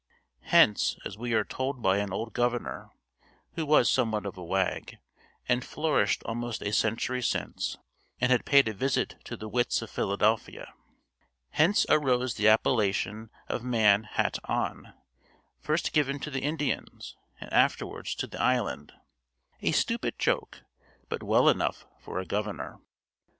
"Hence," as we are told by an old governor, who was somewhat of a wag, and flourished almost a century since, and had paid a visit to the wits of Philadelphia, "hence arose the appellation of man hat on, first given to the Indians, and afterwards to the island" a stupid joke! but well enough for a governor.